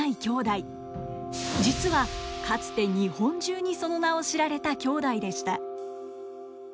実はかつて日本中にその名を知られた兄弟でした。